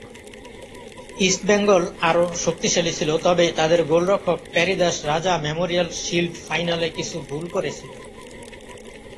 ইস্টবেঙ্গল আরও শক্তিশালী ছিল, তবে তাদের গোলরক্ষক পেরি দাস রাজা মেমোরিয়াল শিল্ড ফাইনালে কিছু ভুল করেছিল।